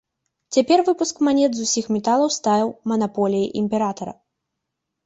Цяпер выпуск манет з усіх металаў стаў манаполіяй імператара.